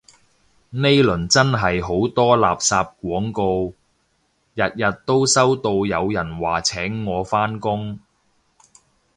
呢輪真係好多垃圾廣告，日日都收到有人話請我返工